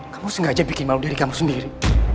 kamu sengaja bikin malu diri kamu sendiri